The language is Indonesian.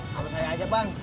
kamu saya ajak bang